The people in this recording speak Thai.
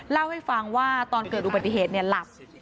เล่าให้ฟังว่าตอนเกิดอุบัติเหตุหลับ